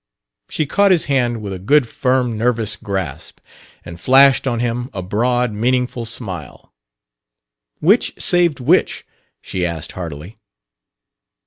She caught his hand with a good, firm, nervous grasp, and flashed on him a broad, meaningful smile. "Which saved which?" she asked heartily.